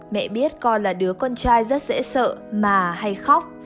mẹ biết con là đứa con trai rất dễ sợ mà hay khóc